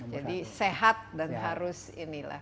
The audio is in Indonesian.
jadi sehat dan harus inilah